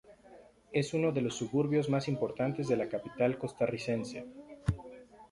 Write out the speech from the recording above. Es uno de los suburbios más importantes de la capital costarricense.